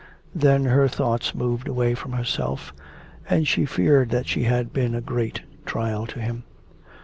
Then her thoughts moved away from herself, and she feared that she had been a great trial to him.